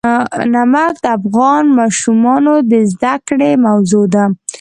نمک د افغان ماشومانو د زده کړې موضوع ده.